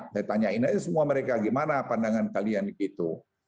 saya tanyain aja semua mereka gimana pandangan kalian gitu